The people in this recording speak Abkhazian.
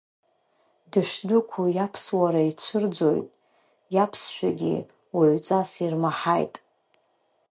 Дышдәықәу иаԥсуара ицәырӡоит, иаԥсшәагь уаҩҵас ирмаҳаит.